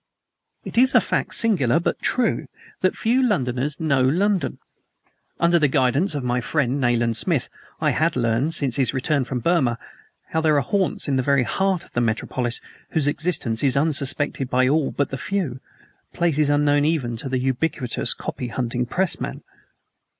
It is a fact, singular, but true, that few Londoners know London. Under the guidance of my friend, Nayland Smith, I had learned, since his return from Burma, how there are haunts in the very heart of the metropolis whose existence is unsuspected by all but the few; places unknown even to the ubiquitous copy hunting pressman.